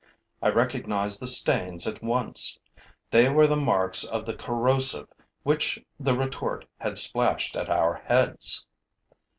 I recognized the stains at once. They were the marks of the corrosive which the retort had splashed at our heads.